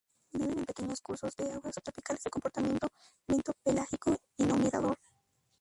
Viven en pequeños cursos de agua subtropicales, de comportamiento bentopelágico y no migrador.